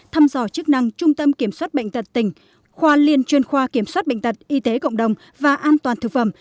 thăm dò chức năng trung tâm kiểm soát bệnh tật tỉnh khoa liên chuyên khoa kiểm soát bệnh tật y tế cộng đồng và an toàn thực phẩm